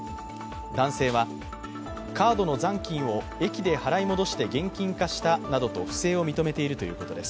男性はカードの残金を駅で払い戻して現金化したなどと不正を認めているということです。